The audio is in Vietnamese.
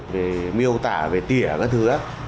về miêu tả về tỉa các thứ á